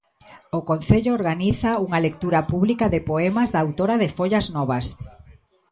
O concello organiza unha lectura pública de poemas da autora de Follas Novas.